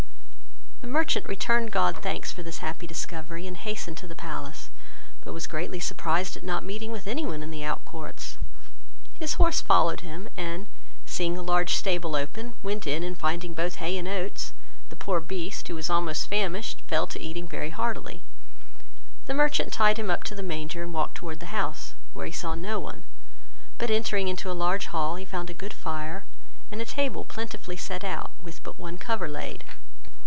The merchant returned God thanks for this happy discovery, and hasted to the palace; but was greatly surprised at not meeting with anyone in the out courts. His horse followed him, and seeing a large stable open, went in, and finding both hay and oats, the poor beast, who was almost famished, fell to eating very heartily. The merchant tied him up to the manger, and walked towards the house, where he saw no one, but entering into a large hall, he found a good fire, and a table plentifully set out, with but one cover laid.